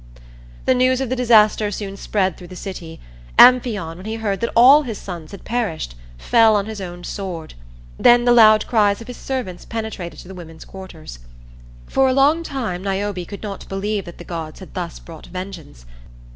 The news of the disaster soon spread through the city. Amphion, when he heard that all his sons had perished, fell on his own sword. Then the loud cries of his servants penetrated to the women's quarters. For a long time Niobe could not believe that the gods had thus brought vengeance.